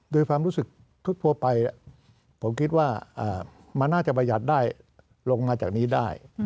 โดยความรู้สึกทั่วไปผมคิดว่ามันน่าจะประหยัดได้ลงมาจากนี้ได้